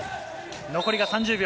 残りが３０秒。